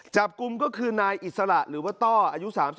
จับกลุ่มก็คือนายอิสระหรือว่าต้ออายุ๓๒